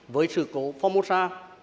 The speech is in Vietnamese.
với sự cố phóng mô sa